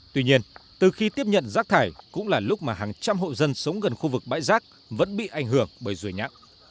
tuy nhiên từ khi tiếp nhận giác thải cũng là lúc mà hàng trăm hộ dân sống gần khu vực bãi giác vẫn bị ảnh hưởng bởi rùi nhã